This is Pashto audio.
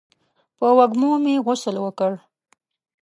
په وږمو مې غسل وکړ